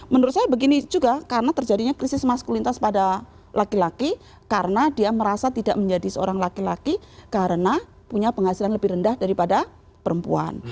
menurut saya begini juga karena terjadinya krisis maskulitas pada laki laki karena dia merasa tidak menjadi seorang laki laki karena punya penghasilan lebih rendah daripada perempuan